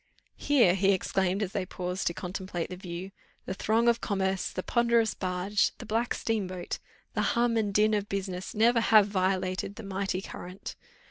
"Here," he exclaimed, as they paused to contemplate the view, "the throng of commerce, the ponderous barge, the black steam boat, the hum and din of business, never have violated the mighty current.